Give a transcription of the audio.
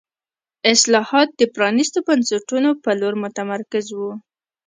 اصلاحات د پرانیستو بنسټونو په لور متمرکز وو.